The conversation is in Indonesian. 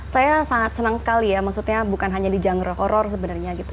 saya sangat senang sekali ya maksudnya bukan hanya di genre horror sebenarnya gitu